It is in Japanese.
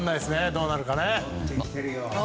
どうなるか。